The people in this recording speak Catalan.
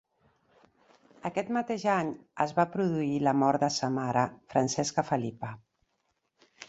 Aquest mateix any es va produir la mort de sa mare, Francesca Felipa.